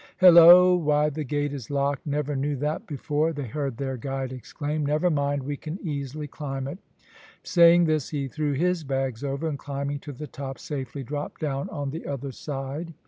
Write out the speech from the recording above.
"Hillo, why the gate is locked never knew that before!" they heard their guide exclaim. "Never mind, we can easily climb it." Saying this he threw his bags over, and climbing to the top safely dropped down on the other side.